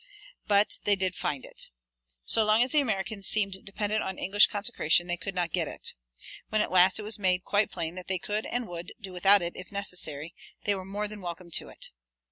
But they did find it. So long as the Americans seemed dependent on English consecration they could not get it. When at last it was made quite plain that they could and would do without it if necessary, they were more than welcome to it.